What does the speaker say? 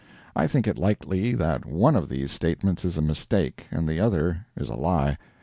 I think it likely that one of these statements is a mistake, and the other is a lie.